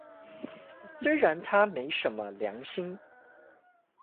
雖然他沒什麼良心